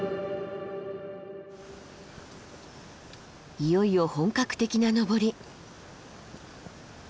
いよいよ本格的な登り。